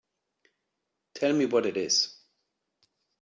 Tell me what it is.